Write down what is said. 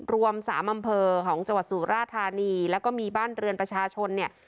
รวมสามอำเภอของจังหวัดสุราธานีแล้วก็มีบ้านเรือนประชาชนเนี่ย